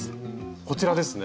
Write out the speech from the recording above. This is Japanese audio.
こちらですね。